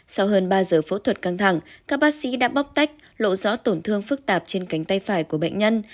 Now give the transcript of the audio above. sau hơn ba giờ phẫu thuật căng thẳng các bác sĩ đã bóc tách lộ rõ tổn thương phức tạp trên cánh tay phải của bệnh nhân